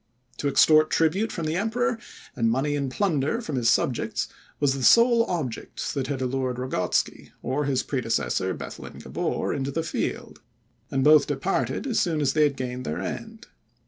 To extort tribute from the Emperor, and money and plunder from his subjects, was the sole object that had allured Ragotzky, or his predecessor, Bethlen Gabor, into the field; and both departed as soon as they had gained their end.